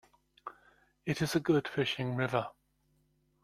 It is a good fishing river.